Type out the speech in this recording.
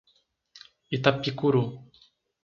Itapicuru